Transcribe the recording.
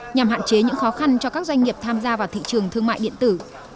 nhằm hạn chế những khó khăn cho các doanh nghiệp tham gia vào thị trường thương mại điện tử